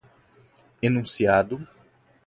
enunciado